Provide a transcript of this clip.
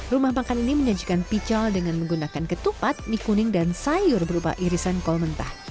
rumah makan ini menyajikan pical dengan menggunakan ketupat mie kuning dan sayur berupa irisan kol mentah